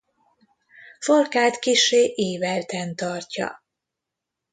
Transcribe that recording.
Farkát kissé ívelten tartja.